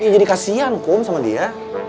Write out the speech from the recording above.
jadi kasian kum sama dia